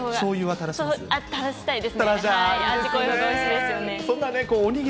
たらしたいですね。